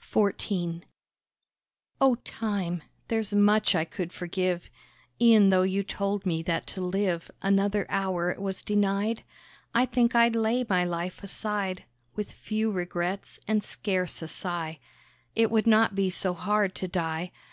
XIV Oh, Time! There's much I could forgive; E'en though you told me that to live Another hour it was denied, I think I'd lay my life aside With few regrets, and scarce a sigh, It would not be so hard to die.